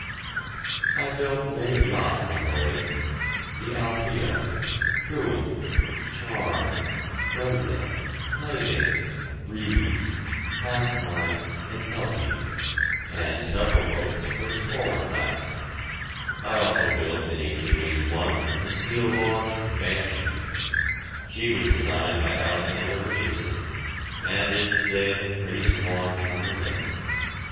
I built many yachts on the lake the "Althea," "Truant," "Charm," "Brenda," "Playmate," "Breeze," "Pastime," and "Kelpie" and several boats for the smaller class. I also built in 1881 the steel launch "Banshee." She was designed by Alexander Richardson, and is to day the prettiest launch on the lake.